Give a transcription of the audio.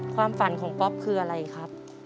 ความฝันของป๊อปคืออะไรครับ